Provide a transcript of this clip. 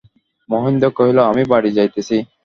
মহেন্দ্র কহিল, আমি বাড়ি যাইতেছি।